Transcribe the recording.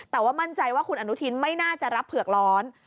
แต่ว่ามั่นใจว่าคุณอนุทินไม่น่าจะรับเผือกร้อน